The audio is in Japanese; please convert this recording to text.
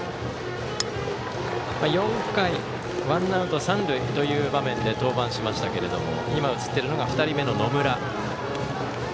４回、ワンアウト三塁という場面で登板しましたけれども映っていたのが２人目の野村。